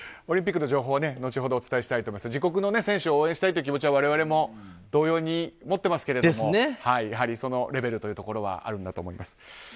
オリンピックの情報後ほどお伝えしたいと思いますが自国の選手を応援したいという気持ちは我々も同様に持ってますけれどもそのレベルというところはあるんだと思います。